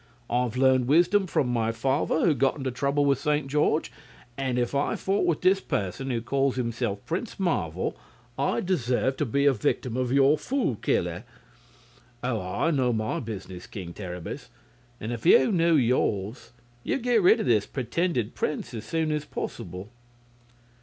I've learned wisdom from my father, who got into trouble with Saint George, and if I fought with this person who calls himself Prince Marvel, I'd deserve to be a victim of your Fool Killer. Oh, I know my business, King Terribus; and if you knew yours, you'd get rid of this pretended prince as soon as possible!"